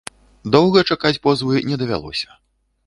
Доўга чакаць позвы не давялося.